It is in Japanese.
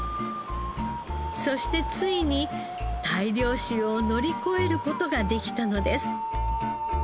そしてついに大量死を乗り越える事ができたのです。